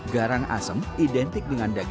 garang asem identik dengan daging